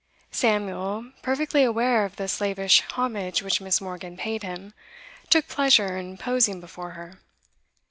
Samuel, perfectly aware of the slavish homage which Miss. Morgan paid him, took pleasure in posing before her.